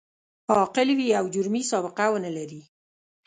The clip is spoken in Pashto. عاقل وي او جرمي سابقه و نه لري.